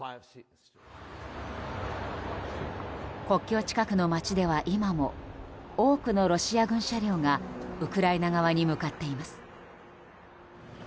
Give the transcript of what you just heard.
国境近くの町では今も多くのロシア軍車両がウクライナ側に向かっています。